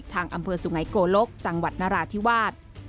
อำเภอสุไงโกลกจังหวัดนราธิวาส